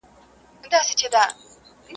څه پروا ده له هجرانه ستا له یاده مستانه یم.